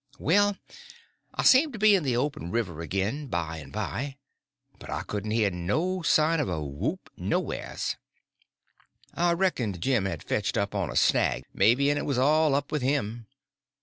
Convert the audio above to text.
Well, I seemed to be in the open river again by and by, but I couldn't hear no sign of a whoop nowheres. I reckoned Jim had fetched up on a snag, maybe, and it was all up with him.